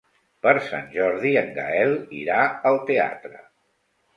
Per Sant Jordi en Gaël irà al teatre.